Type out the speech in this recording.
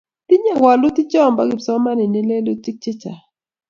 Tinyei woluticho bo kipsomaninik lelutik che chang'